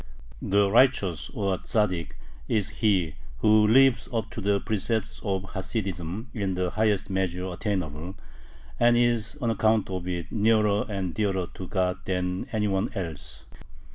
The Righteous, or Tzaddik, is he who lives up to the precepts of Hasidism in the highest measure attainable, and is on account of it nearer and dearer to God than any one else.